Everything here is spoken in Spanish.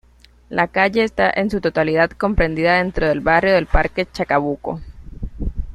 La calle está en su totalidad comprendida dentro del Barrio de Parque Chacabuco.